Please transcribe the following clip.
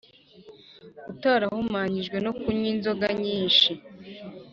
utarahumanyijwe no kunywa inzoga nyinshi